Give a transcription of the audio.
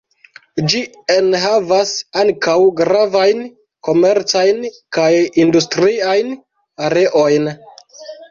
Ĝi enhavas ankaŭ gravajn komercajn kaj industriajn areojn.